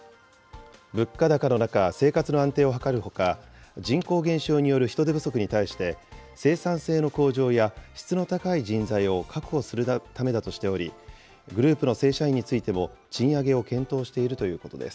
物価高の中、生活の安定を図るほか、人口減少による人手不足に対して、生産性の向上や質の高い人材を確保するためだとしており、グループの正社員についても、賃上げを検討しているということです。